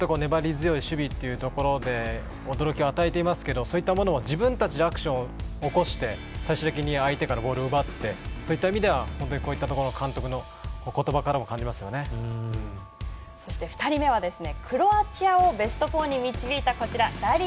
本当に粘り強い守備というところで驚きを与えていますけどそういったものを自分たちでアクションを起こして最終的に相手からボールを奪ってそういった意味では本当にこういったところの監督のそして２人目はですね